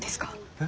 え？